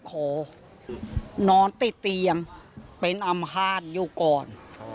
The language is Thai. ขอนอนติดเตียงเป็นอำภาษณ์อยู่ก่อน